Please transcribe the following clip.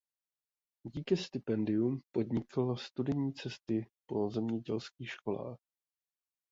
Díky stipendiu podnikl studijní cesty po zemědělských školách.